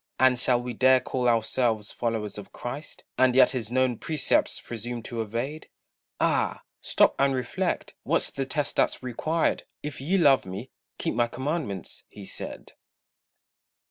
And shall we dare call ourselves followers of Christ, And yet his known precepts presume to evade? Ah! stop and reflect, what's the test that's required? "If ye love me, keep my commandments," he said.